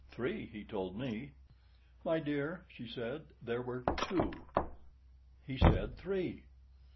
"Three, he told me." "My dear, she said there were two." "He said three."